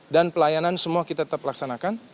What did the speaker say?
dan pelayanan semua kita tetap laksanakan